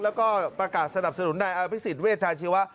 แล้วก็ประกาศสนับสนุนในอาร์ไพรศิลป์เวชาชีววะ